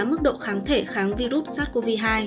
mức độ kháng thể kháng virus sars cov hai